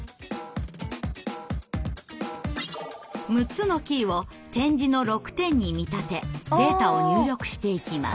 ６つのキーを点字の６点に見立てデータを入力していきます。